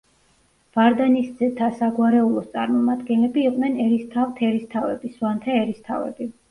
ვარდანისძეთა საგვარეულოს წარმომადგენლები იყვნენ ერისთავთერისთავები, სვანთა ერისთავები.